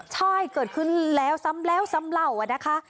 ใช่เกิดขึ้นแล้วซ้ำเหล่าอ่ะนะคะ